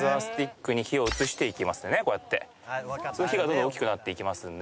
火がどんどん大きくなっていきますんで。